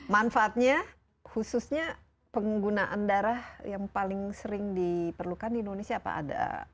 manfaatnya khususnya penggunaan darah yang paling sering diperlukan di indonesia apa ada